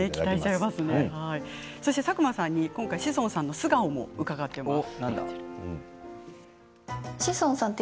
佐久間さんに今回志尊さんの素顔も聞いています。